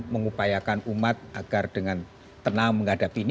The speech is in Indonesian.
mengupayakan umat agar dengan tenang menghadapi ini